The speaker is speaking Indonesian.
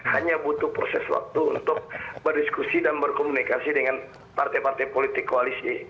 hanya butuh proses waktu untuk berdiskusi dan berkomunikasi dengan partai partai politik koalisi